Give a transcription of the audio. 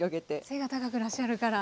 背が高くらっしゃるから。